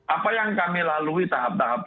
apa yang kami lalui tahap tahap